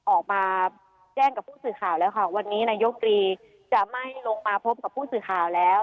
ออกมาแจ้งกับผู้สื่อข่าวแล้วค่ะวันนี้นายกตรีจะไม่ลงมาพบกับผู้สื่อข่าวแล้ว